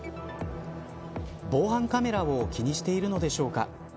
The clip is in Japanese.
防犯カメラを気にしているのでしょうか。